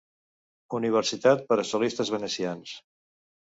Universitat per a Solistes Venecians.